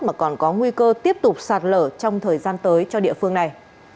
mà còn có nguy cơ tiếp tục sạt lở trong thời gian tới cho địa phương này